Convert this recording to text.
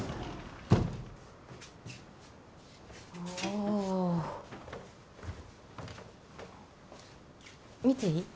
おお見ていい？